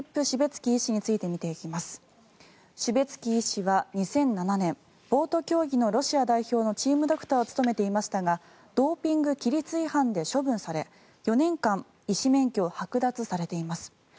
シュベツキー医師は２００７年ボート競技のロシア代表のチームドクターを務めていましたがドーピング規律違反で処分され４年間、医師免許をはく奪されています。